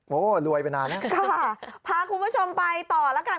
พาคุณผู้ชมไปต่อแล้วกัน